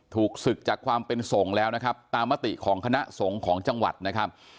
ถูกศึกจากความเป็นส่งแล้วนะครับตามมติของคณะสงฆ์ของจังหวัดนะครับ